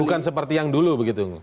bukan seperti yang dulu begitu